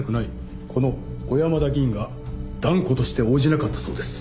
この小山田議員が断固として応じなかったそうです。